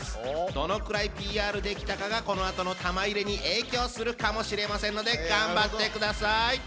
どのくらいＰＲできたかがこのあとの玉入れに影響するかもしれませんので頑張ってください。